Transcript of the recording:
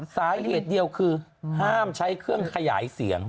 สาเหตุเดียวคือห้ามใช้เครื่องขยายเสียง